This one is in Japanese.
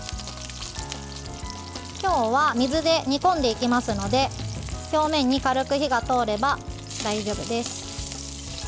今日は水で煮込んでいきますので表面に軽く火が通れば大丈夫です。